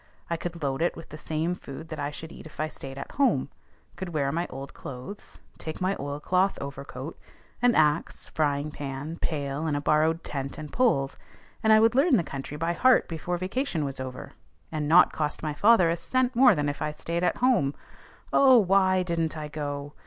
I could load it with the same food that I should eat if I staid at home; could wear my old clothes, take my oilcloth overcoat, an axe, frying pan, pail, and a borrowed tent and poles; and I would learn the county by heart before vacation was over, and not cost my father a cent more than if I staid at home. Oh, why didn't I go!